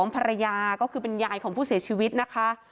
ภรรยาก็คือเป็นยายของผู้เสียชีวิตนะคะ